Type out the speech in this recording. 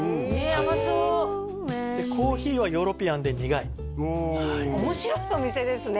甘そうコーヒーはヨーロピアンで苦い面白いお店ですね